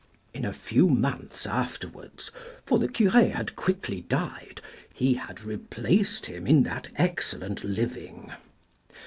In a few months afterwards, for the cure had quickly died, he had replaced him in that excellent living.